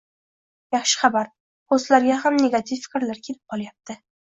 Yaxshi xabar, postlarga ham negativ fikrlar kelib qolyapti